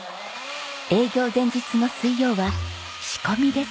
営業前日の水曜は仕込みです。